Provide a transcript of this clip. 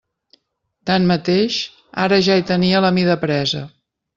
Tanmateix, ara ja hi tenia la mida presa.